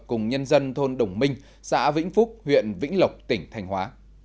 cùng nhân dân thôn đồng minh xã vĩnh phúc huyện vĩnh lộc tỉnh thành hóa